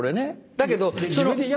だけど。